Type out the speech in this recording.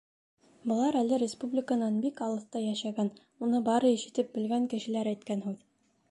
Былар әле республиканан бик алыҫта йәшәгән, уны бары ишетеп белгән кешеләр әйткән һүҙ.